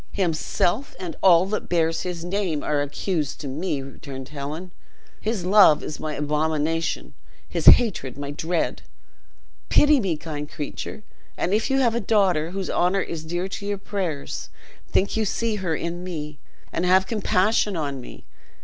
"Himself, and all that bear his name, are accused to me," returned Helen; "his love is my abomination, his hatred my dread. Pity me, kind creature; and if you have a daughter whose honor is dear to your prayers, think you see her in me, and have compassion on me.